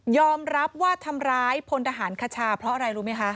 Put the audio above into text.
รับว่าทำร้ายพลทหารคชาเพราะอะไรรู้ไหมคะ